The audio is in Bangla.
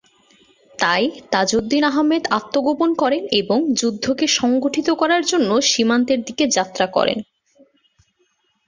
তাই তাজউদ্দীন আহমদ আত্মগোপন করেন এবং যুদ্ধকে সংগঠিত করার জন্য সীমান্তের দিকে যাত্রা করেন।